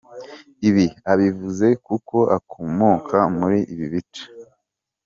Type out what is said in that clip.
" Ibi abivuze kuko akomoka muri ibi bice.